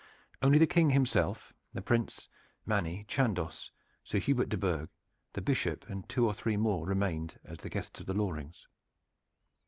Only the King himself, the Prince, Manny, Chandos, Sir Hubert de Burgh, the Bishop and two or three more remained behind as the guests of the Lorings.